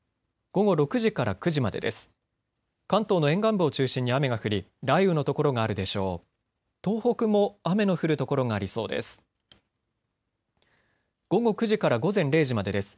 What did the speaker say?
午後９時から午前０時までです。